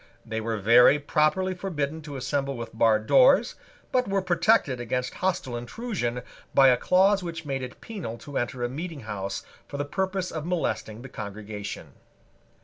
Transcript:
They were very properly forbidden to assemble with barred doors, but were protected against hostile intrusion by a clause which made it penal to enter a meeting house for the purpose of molesting the congregation.